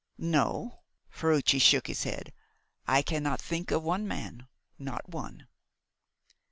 "No." Ferruci shook his head. "I cannot think of one man not one."